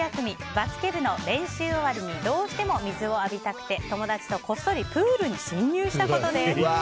バスケ部の練習終わりにどうしても水を浴びたくて友達とこっそりプールに侵入したことです。